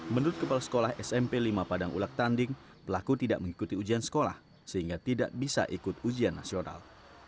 menurut kepala sekolah smp lima padang ulak tanding pelaku tidak mengikuti ujian sekolah sehingga tidak bisa ikut ujian nasional